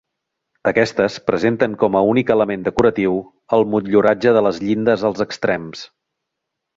Aquestes presenten com a únic element decoratiu el motlluratge de les llindes als extrems.